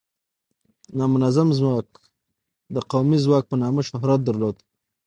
نامنظم ځواک د قومي ځواک په نامه شهرت درلوده.